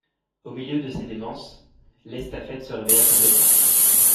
Au milieu de ces démences, l'estafette se réveilla complètement.